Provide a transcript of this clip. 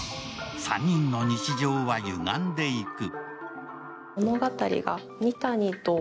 ３人の日常は歪んでいく。